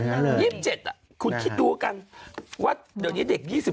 ๒๗คุณคิดดูกันว่าเดี๋ยวนี้เด็ก๒๕